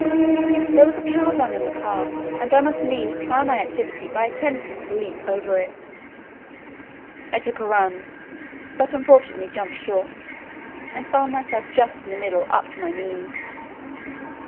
There was a cow dung in the path, and I must need try my activity by attempting to leap over it. I took a run, but unfortunately jumped short, and found myself just in the middle up to my knees.